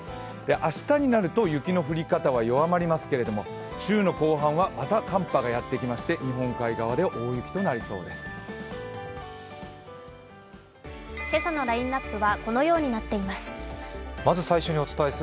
明日になると雪の降り方は弱まりますけども、週の後半はまた寒波がやってきて日本海側で大雪となりそうです。